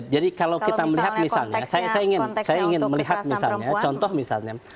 jadi kalau kita melihat misalnya saya ingin melihat misalnya contoh misalnya